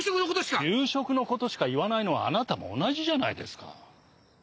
給食の事しか言わないのはあなたも同じじゃないですか。